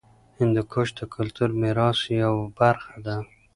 هندوکش د کلتوري میراث یوه برخه ده.